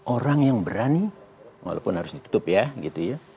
orang yang berani walaupun harus ditutup ya gitu ya